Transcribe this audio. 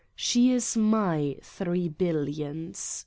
She is my three billions.